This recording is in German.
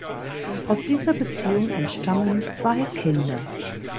Aus dieser Beziehung entstammen zwei Kinder.